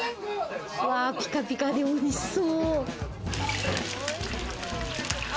ピカピカで、おいしそう！